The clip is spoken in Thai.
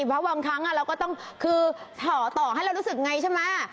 เพราะบางครั้งเราก็ต้องคือต่อให้เรารู้สึกไงใช่ไหม